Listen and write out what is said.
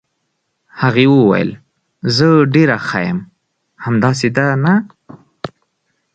هغې وویل: زه ډېره ښه یم، همداسې ده، نه؟